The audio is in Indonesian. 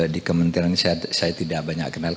di kementerian ini saya tidak banyak kenal